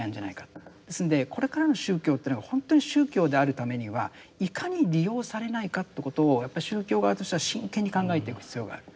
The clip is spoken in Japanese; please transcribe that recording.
ですんでこれからの宗教というのが本当に宗教であるためにはいかに利用されないかってことをやっぱり宗教側としては真剣に考えていく必要がある。